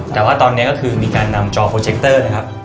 แต่ว่าตอนนี้ก็คือมีการนำจอโปรเจคเตอร์นะครับ